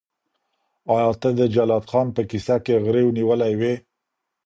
آیا ته د جلات خان په کیسه کي غريو نيولی وې؟